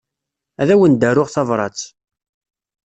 Ad awen-d-aruɣ tabṛat.